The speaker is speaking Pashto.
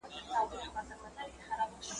د شيه اودس په تيز نه ماتېږي.